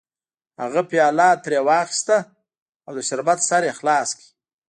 هغه پیاله ترې واخیسته او د شربت سر یې خلاص کړ